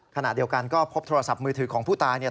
ขณะเดียวกันก็พบโทรศัพท์มือถือของผู้ตายเนี่ย